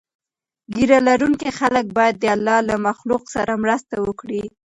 ږیره لرونکي خلک باید د الله له مخلوق سره مرسته وکړي.